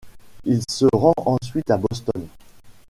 Il se rend ensuite à Boston.